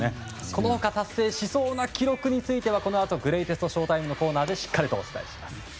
その他達成しそうな記録についてはこのあと、グレイテストＳＨＯ‐ＴＩＭＥのコーナーでしっかりとお伝えします。